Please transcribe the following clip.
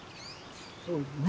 そうよね。